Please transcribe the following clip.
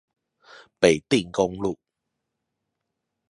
北碇公路